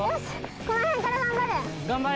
この辺から頑張る！